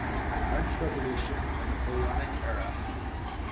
"The French Revolution and Napoleonic Era".